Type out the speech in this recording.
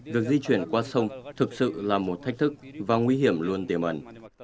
việc di chuyển qua sông thực sự là một thách thức và nguy hiểm luôn tiềm ẩn